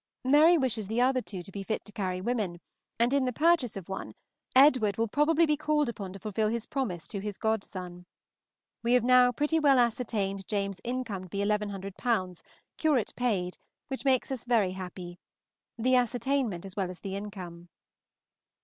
Mary wishes the other two to be fit to carry women, and in the purchase of one Edward will probably be called upon to fulfil his promise to his godson. We have now pretty well ascertained James's income to be eleven hundred pounds, curate paid, which makes us very happy, the ascertainment as well as the income.